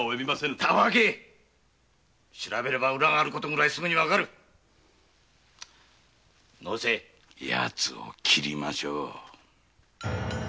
調べればウラがあることぐらいすぐにわかる能勢ヤツを斬りましょう。